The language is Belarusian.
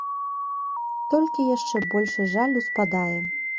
Толькі яшчэ большы жаль успадае.